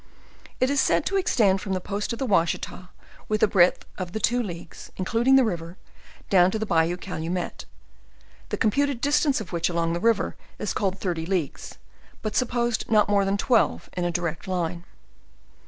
It is said to extend from the post of \Yashita with a breadth of the two leagues, including the river, down to the Bayou Cal umet; the computed distance of which along the river is called thirty leagues, but supposed not more than twelve in a direct line.